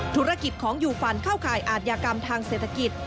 ธุรกิจของยูฟันเข้าข่ายอาทยากรรมทางเศรษฐกิจ